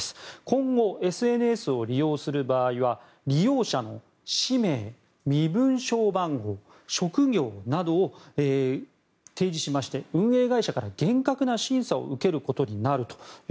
今後、ＳＮＳを利用する場合は利用者の氏名、身分証番号、職業などを提示しまして運営会社から厳格な審査を受けることになると。